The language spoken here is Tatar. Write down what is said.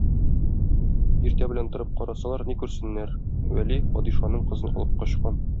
Иртә белән торып карасалар, ни күрсеннәр: Вәли падишаның кызын алып качкан.